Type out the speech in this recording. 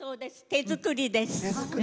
手作りです。